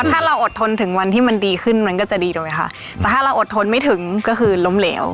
ถ้าเราอดทนถึงวันที่มันดีขึ้นมันก็จะดีถูกไหมคะแต่ถ้าเราอดทนไม่ถึงก็คือล้มเหลว